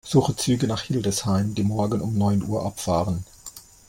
Suche Züge nach Hildesheim, die morgen um neun Uhr abfahren.